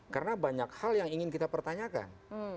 karena banyak hal yang ingin kita pertanyakan